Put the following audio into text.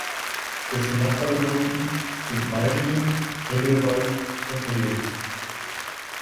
Dessen Nachbargemeinden sind Meiringen, Grindelwald und Brienz.